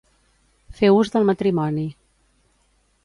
Fer ús del matrimoni.